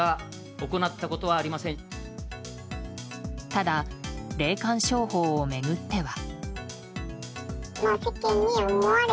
ただ、霊感商法を巡っては。